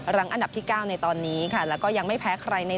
อันดับที่๙ในตอนนี้ค่ะแล้วก็ยังไม่แพ้ใครใน